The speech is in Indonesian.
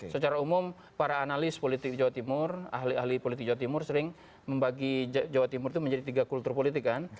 secara umum para analis politik di jawa timur ahli ahli politik jawa timur sering membagi jawa timur itu menjadi tiga kultur politik kan